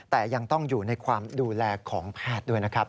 แต่ยังต้องอยู่ในความดูแลของแพทย์ด้วยนะครับ